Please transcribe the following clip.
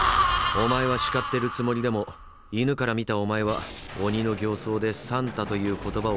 お前は叱ってるつもりでも犬から見たお前は鬼の形相で「サンタ」という言葉を叫び続けているだけだ。